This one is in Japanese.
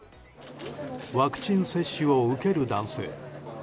ワクチン接種を受ける男性。